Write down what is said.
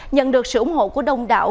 nhận được sự ủng hộ của đông đảo